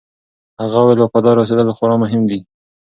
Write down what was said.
هغه وویل، وفادار اوسېدل خورا مهم دي.